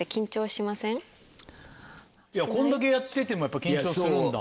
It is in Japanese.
いやこんだけやっててもやっぱ緊張するんだ。